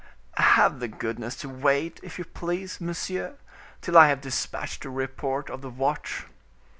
"Have the goodness to wait, if you please, monsieur, till I have dispatched the report of the watch."